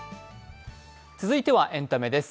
続いてはエンタメです。